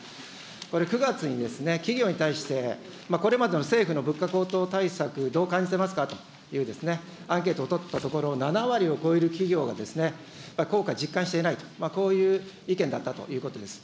これ、９月に企業に対して、これまでの政府の物価高騰対策、どう感じてますかという、アンケートを取ったところ、７割を超える企業が効果実感していないと、こういう意見だったということです。